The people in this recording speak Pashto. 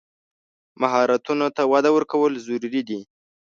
مهارتونو ته وده ورکول ضروري دي.